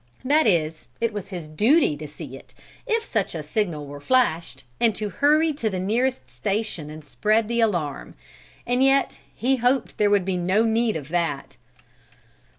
That is, it was his duty to see it, if such a signal were flashed, and to hurry to the nearest station and spread the alarm. And yet he hoped there would be no need of that.